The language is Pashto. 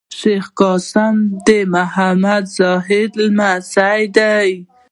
شېخ قاسم د محمد زاهد لمسی دﺉ.